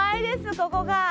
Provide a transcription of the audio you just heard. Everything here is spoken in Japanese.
ここが。